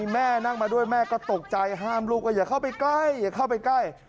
แม่นั่งมาด้วยแม่ก็ตกใจห้ามลูกว่าอย่าเข้าไปใกล้อย่าเข้าไปใกล้